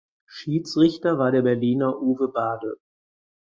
Schiedsrichter war der Berliner Uwe Bade.